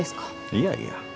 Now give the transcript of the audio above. いやいや。